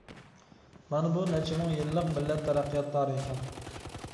مانا بۇ نەچچە مىڭ يىللىق مىللەت تەرەققىيات تارىخى.